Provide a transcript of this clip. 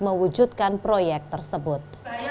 mewujudkan proyek tersebut